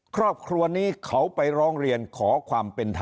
ครอบครัวนี้เขาไปร้องเรียนขอความเป็นธรรม